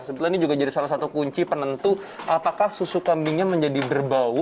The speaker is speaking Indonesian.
sebetulnya ini juga jadi salah satu kunci penentu apakah susu kambingnya menjadi berbau